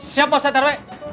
siap pak ustadz rw